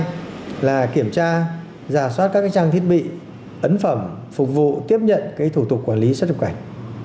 thứ hai là kiểm tra giả soát các trang thiết bị ấn phẩm phục vụ tiếp nhận thủ tục quản lý xuất nhập cảnh